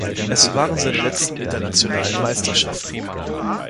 Es waren seine letzten internationalen Meisterschaften.